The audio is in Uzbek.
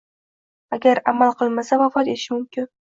agar amal qilmasa vafot etishi mumkin.